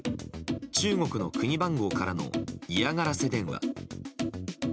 中国の国番号からの嫌がらせ電話。